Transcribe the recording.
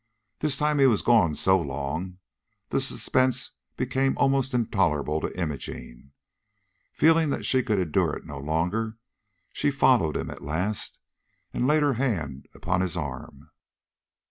This time he was gone so long, the suspense became almost intolerable to Imogene. Feeling that she could endure it no longer, she followed him at last, and laid her hand upon his arm.